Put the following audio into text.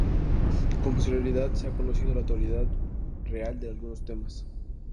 Con posterioridad se ha conocido la autoría real de algunos temas.